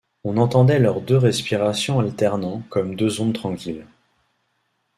On entendait leurs deux respirations alternant comme deux ondes tranquilles.